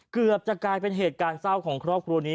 เกือบจะกลายเป็นเหตุการณ์เศร้าของครอบครัวนี้